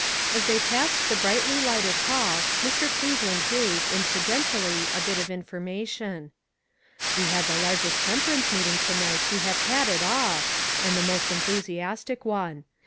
As they passed the brightly lighted hall, Mr. Cleve land gave, incidentally, a bit of information. "We had the largest temperance meet ing to night we have had at all, and the most enthusiastic one.